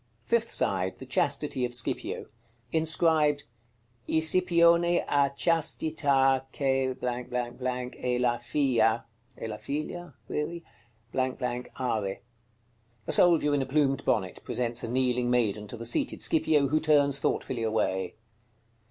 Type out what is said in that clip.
Fifth side. The chastity of Scipio. Inscribed: "ISIPIONE A CHASTITA CH E LA FIA (e la figlia?) ARE." A soldier in a plumed bonnet presents a kneeling maiden to the seated Scipio, who turns thoughtfully away.